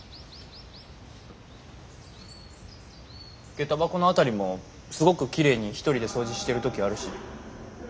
下駄箱の辺りもすごくきれいにひとりで掃除してる時あるし。